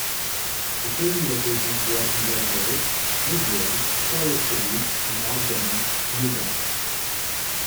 The filming locations were in Glendale, Midvale, Salt Lake City, and Ogden, Utah.